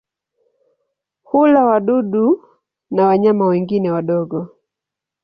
Hula wadudu na wanyama wengine wadogo.